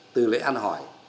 từ lễ ăn hỏi